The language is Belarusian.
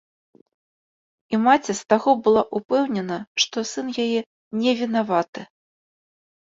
І маці з таго была ўпэўнена, што сын яе не вінаваты.